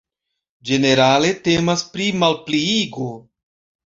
Ĝenerale temas pri malpliigo.